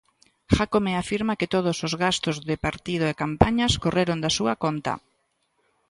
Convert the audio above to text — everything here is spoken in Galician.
Jácome afirma que todos os gastos de partido e campañas correron da súa conta.